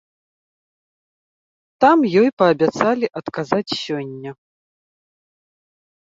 Там ёй паабяцалі адказаць сёння.